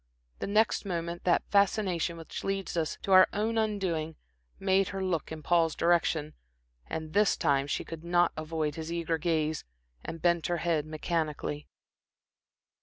The next moment that fascination which leads us to our own undoing made her look in Paul's direction, and this time she could not avoid his eager gaze and bent her head mechanically.